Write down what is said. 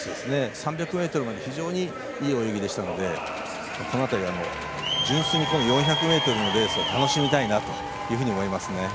３００ｍまで非常にいい泳ぎでしたので純粋に４００ｍのレースを楽しみたいなと思いますね。